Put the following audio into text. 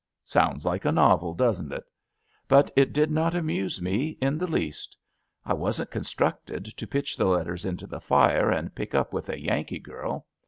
Sounds like a novel, doesn't it? But it did not amuse me in the least. I wasn't constructed to pitch the letters into the fire and pick up with a Yankee girl.